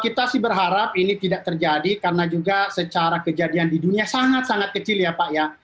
kita sih berharap ini tidak terjadi karena juga secara kejadian di dunia sangat sangat kecil ya pak ya